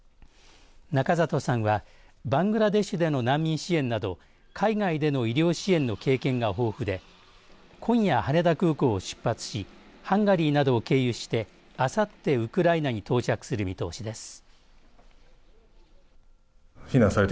仲里さんはバングラデシュでの難民支援など海外での医療支援の経験が豊富で今夜、羽田空港を出発しハンガリーなどを経由してあさってウクライナに到着する見通しです。